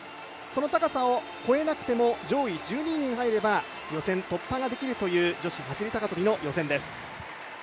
その高さを越えなくても上位１２人に入れば予選突破ができるという女子走高跳の予選です。